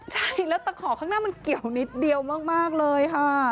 ใช่แล้วตะขอข้างหน้ามันเกี่ยวนิดเดียวมากเลยค่ะ